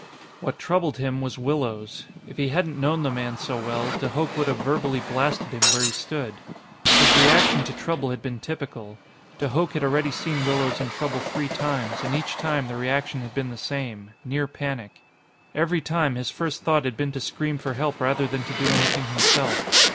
What troubled him was Willows. If he hadn't known the man so well, de Hooch would have verbally blasted him where he stood. His reaction to trouble had been typical. De Hooch had already seen Willows in trouble three times, and each time, the reaction had been the same: near panic. Every time, his first thought had been to scream for help rather than to do anything himself.